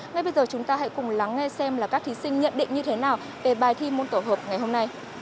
ngay bây giờ chúng ta hãy cùng lắng nghe xem là các thí sinh nhận định như thế nào về bài thi môn tổ hợp ngày hôm nay